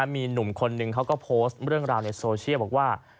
มีหนุ่มคนนึงเขาก็โพสต์เรื่องราวในโซเชียลบอกว่า